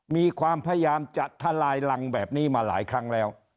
มีความพยายามจะทลายรังแบบนี้มาหลายครั้งแล้ว